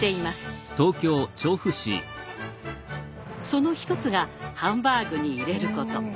その１つがハンバーグに入れること。